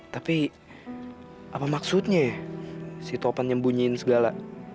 tapi apa maksudnya ya si topan nyembunyiin segala